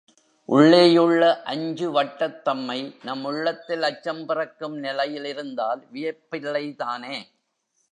உள்ளேயுள்ள அஞ்சு வட்டத்தம்மை நம் உள்ளத்தில் அச்சம் பிறக்கும் நிலையில் இருந்தால் வியப்பில்லைதானே.